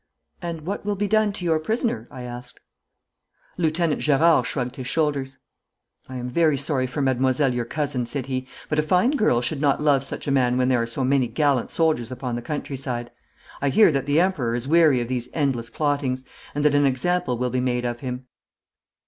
'And what will be done to your prisoner?' I asked. Lieutenant Gerard shrugged his shoulders. 'I am very sorry for Mademoiselle your cousin,' said he, 'but a fine girl should not love such a man when there are so many gallant soldiers upon the country side. I hear that the Emperor is weary of these endless plottings, and that an example will be made of him.'